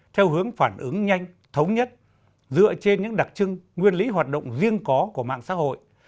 để đáp ứng nhanh thống nhất dựa trên những đặc trưng nguyên lý hoạt động riêng có của mạng xã hội